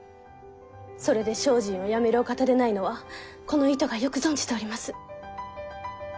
それで精進をやめるお方でないのはこの糸がよく存じております。